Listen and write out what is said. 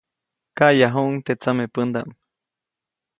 Kaʼyajuʼuŋ teʼ tsamepändaʼm.